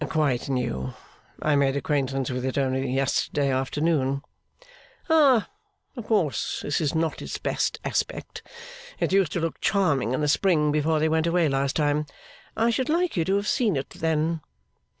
'Quite new. I made acquaintance with it only yesterday afternoon.' 'Ah! Of course this is not its best aspect. It used to look charming in the spring, before they went away last time. I should like you to have seen it then.